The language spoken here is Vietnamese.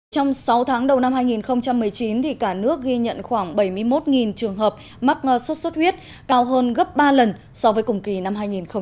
trong sáu tháng đầu năm hai nghìn một mươi chín cả nước ghi nhận khoảng bảy mươi một trường hợp mắc sốt xuất huyết cao hơn gấp ba lần so với cùng kỳ năm hai nghìn một mươi tám